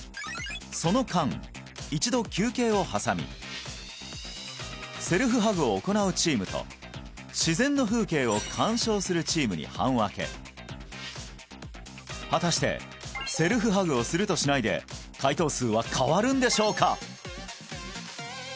その間１度休憩を挟みセルフハグを行うチームと自然の風景を観賞するチームに班分け果たしてセルフハグをするとしないで解答数は変わるんでしょうか？